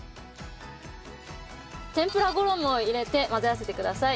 天ぷら衣を入れて混ぜ合わせてください。